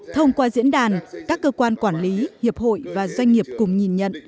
thông qua diễn đàn các cơ quan quản lý hiệp hội và doanh nghiệp cùng nhìn nhận